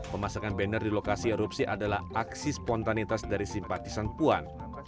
pemasangan banner di lokasi erupsi adalah aksi spontanitas dari simpati san puan